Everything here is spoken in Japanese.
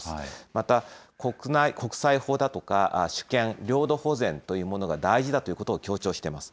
また、国際法だとか主権、領土保全というものが大事だということを強調しています。